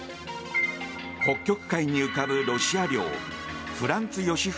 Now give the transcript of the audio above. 北極海に浮かぶロシア領フランツヨシフ